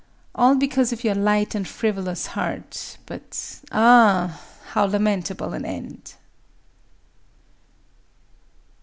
All because of your light and frivolous heart—but, ah! how lamentable an end!"...